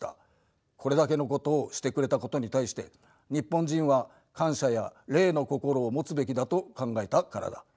これだけのことをしてくれたことに対して日本人は感謝や礼の心を持つべきだと考えたからだ。